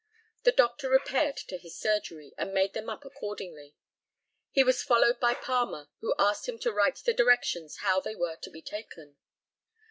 The doctor repaired to his surgery, and made them up accordingly. He was followed by Palmer, who asked him to write the directions how they were to be taken.